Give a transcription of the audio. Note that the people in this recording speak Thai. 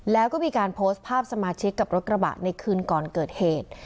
แล้วก็มีการโพสต์ภาพสมาชิกกับรถกระบะในคืนก่อนเกิดเหตุ